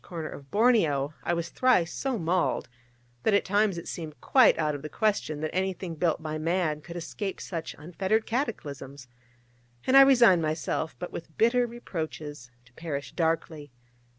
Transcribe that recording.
corner of Borneo I was thrice so mauled, that at times it seemed quite out of the question that anything built by man could escape such unfettered cataclysms, and I resigned myself, but with bitter reproaches, to perish darkly.